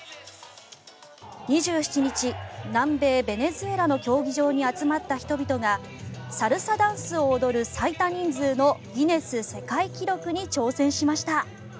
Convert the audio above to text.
２７日南米ベネズエラの競技場に集まった人々がサルサダンスを踊る最多人数のギネス世界記録に挑戦しました。